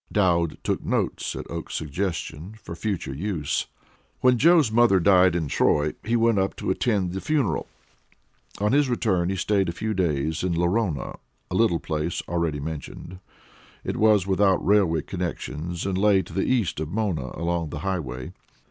Dowd took notes, at Oakes's suggestion, for future use. When Joe's mother died in Troy, he went up to attend the funeral. On his return he stayed a few days in Lorona a little place already mentioned. It was without railway connections and lay to the east of Mona, along the Highway.